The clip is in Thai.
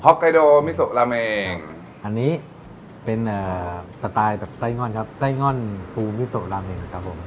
ไกโดมิโซลาเมงอันนี้เป็นสไตล์แบบไส้ง่อนครับไส้ง่อนฟูมิโซราเมงครับผม